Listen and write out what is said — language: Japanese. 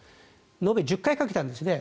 延べ１０回かけたんですね。